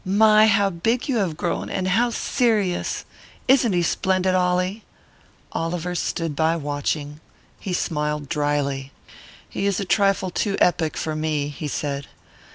"My, how big you have grown, and how serious! Isn't he splendid, Ollie?" Oliver stood by, watching. He smiled drily. "He is a trifle too epic for me," he said.